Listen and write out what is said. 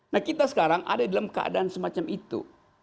nah kita sekarang ada dalam keadaan semacam itu